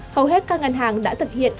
hầu hết các ngân hàng đã thực hiện